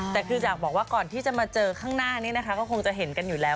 แต่คืออยากบอกว่าก่อนที่จะมาเจอข้างหน้านี้นะคะก็คงจะเห็นกันอยู่แล้ว